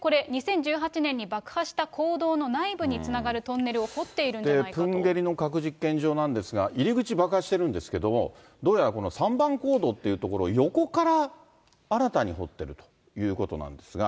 これ、２０１８年に爆破した坑道の内部につながるトンネルを掘っているプンゲリの核実験場なんですが、入り口爆破してるんですけど、どうやら、この３番坑道という所、横から新たに掘ってるということなんですが。